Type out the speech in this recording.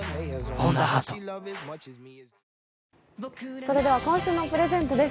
それでは今週のプレゼントです。